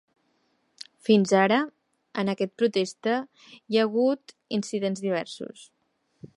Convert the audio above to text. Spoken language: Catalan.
Fins ara, en aquest protesta hi ha hagut incidents diversos.